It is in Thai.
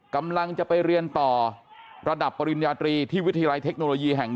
กำลังจะไปเรียนต่อระดับปริญญาตรีที่วิทยาลัยเทคโนโลยีแห่ง๑